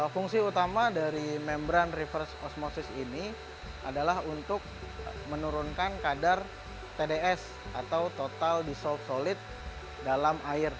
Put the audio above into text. fungsi utama dari membran reverse osmosis ini adalah untuk menurunkan kadar tds atau total disort solid dalam air